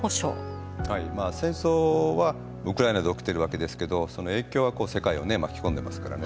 戦争はウクライナで起きているわけですけどその影響が世界をね巻き込んでますからね。